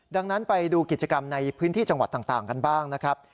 ดังนั้นไปดูกิจกรรมในพื้นที่จังหวัดต่างกันบ้างนะครับ